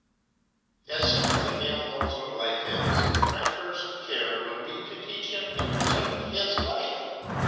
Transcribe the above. As soon as Emile knows what life is, my first care will be to teach him to preserve his life.